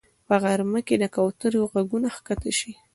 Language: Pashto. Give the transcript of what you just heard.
په غرمه کې د کوترې غږونه ښکته شي